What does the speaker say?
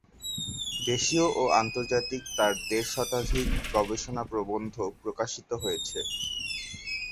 দেশীয় ও আন্তর্জাতিক তার দেড় শতাধিক গবেষণা প্রবন্ধ প্রকাশিত হয়েছে।